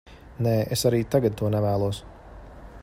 Nē, es arī tagad to nevēlos.